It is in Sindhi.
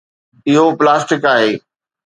اهو پلاسٽڪ آهي.